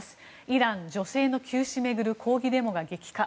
イラン女性の急死巡る抗議デモが激化。